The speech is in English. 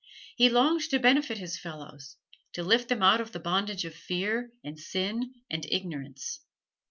He longed to benefit his fellows, to lift them out of the bondage of fear, and sin, and ignorance.